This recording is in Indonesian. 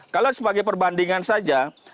kalau sebagai perbandingan saja